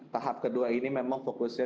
tahap kedua ini memang fokusnya